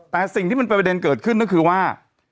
แต่สิ่งที่มันเป็นประเด็นเกิดขึ้นก็คือว่า